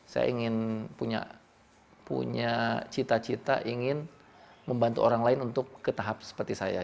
saya ingin punya cita cita ingin membantu orang lain untuk ke tahap seperti saya